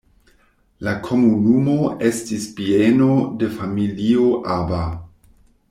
La komunumo estis bieno de familio Aba.